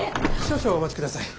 少々お待ちください。